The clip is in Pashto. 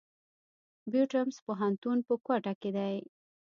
بيوټمز پوهنتون په کوټه کښي دی.